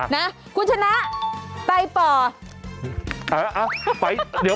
นะคุณชนะไปต่ออ่าอ่ะไปเดี๋ยว